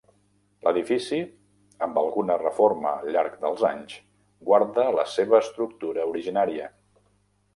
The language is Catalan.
L'edifici, amb alguna reforma al llarg dels anys, guarda la seva estructura originària.